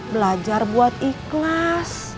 belajar buat ikhlas